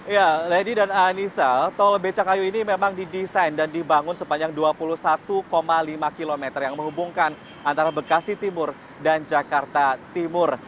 ya lady dan anissa tol becakayu ini memang didesain dan dibangun sepanjang dua puluh satu lima km yang menghubungkan antara bekasi timur dan jakarta timur